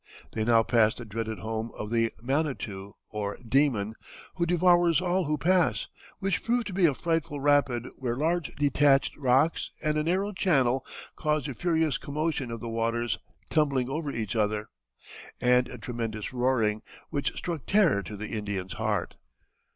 They now passed the dreaded home of the Manitou, or demon, who devours all who pass; which proved to be a frightful rapid where large detached rocks and a narrow channel caused a furious commotion of the waters tumbling over each other, and a tremendous roaring, which struck terror to the Indian's heart.